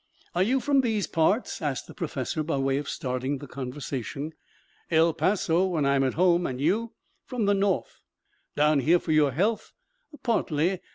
"Are you from these parts?" asked the professor by way of starting the conversation. "El Paso, when I'm at home. And you?" "From the north." "Down here for your health?" "Partly.